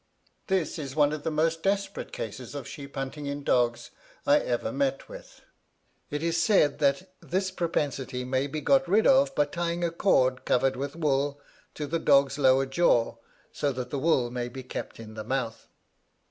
This is one of the most desperate cases of sheep hunting in dogs I ever met with. It is said, that this propensity may be got rid of by tying a cord covered with wool to the dog's lower jaw, so that the wool may be kept in the mouth.